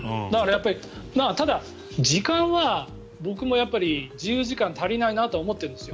ただ、時間は僕も自由時間が足りないなとは思ってますよ。